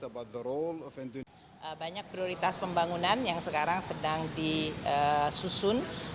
banyak prioritas pembangunan yang sekarang sedang disusun